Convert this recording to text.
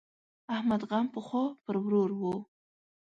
احمد غم پخوا پر ورور وو.